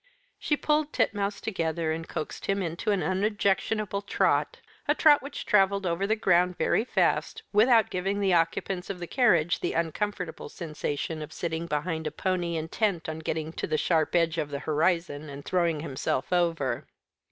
She pulled Titmouse together, and coaxed him into an unobjectionable trot; a trot which travelled over the ground very fast, without giving the occupants of the carriage the uncomfortable sensation of sitting behind a pony intent on getting to the sharp edge of the horizon and throwing himself over.